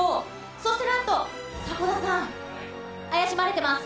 そしてなんと、迫田さん、怪しまれてます。